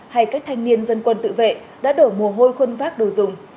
hay các thanh niên dân quân tự vệ đã đổ mồ hôi khuân vác đồ dùng